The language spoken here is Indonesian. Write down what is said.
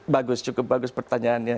bagus cukup bagus pertanyaannya